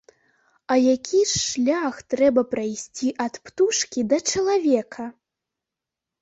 А які ж шлях трэба прайсці ад птушкі да чалавека!